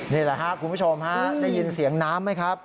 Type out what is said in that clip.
นี่แหละครับคุณผู้ชมฮะได้ยินเสียงน้ำไหมครับ